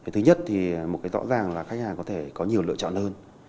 thứ nhất thì một cái rõ ràng là khách hàng có thể có nhiều lựa chọn hơn